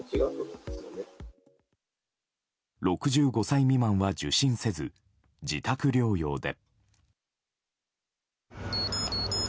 ６５歳未満は受診せず自宅療養で。